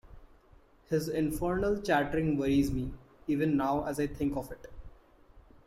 His infernal chattering worries me even now as I think of it.